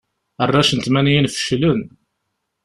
Arrac n tmanyin feclen.